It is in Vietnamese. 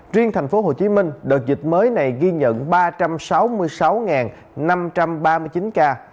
riêng thành phố hồ chí minh đợt dịch mới này ghi nhận ba trăm sáu mươi sáu năm trăm ba mươi chín ca